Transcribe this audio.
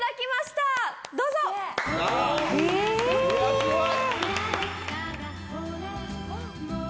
すごい！